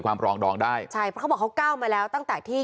ปรองดองได้ใช่เพราะเขาบอกเขาก้าวมาแล้วตั้งแต่ที่